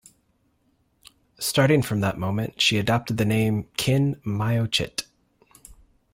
Starting from that moment, she adopted the name, Khin Myo Chit.